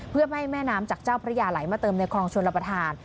เพื่อไม่ให้แม่น้ำจากเจ้าพระยาไหลมาเติมในคลองชนรับประทาน